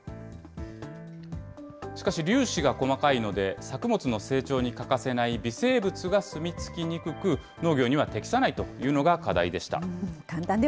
しかし、粒子が細かいので、作物の成長に欠かせない微生物が住み着きにくく、農業には適さないというのが課題でした。